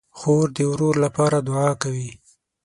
خور د ورور لپاره دعا کوي.